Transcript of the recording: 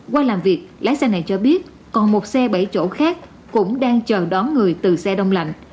qua làm việc lái xe này cho biết còn một xe bảy chỗ khác cũng đang chờ đón người từ xe đông lạnh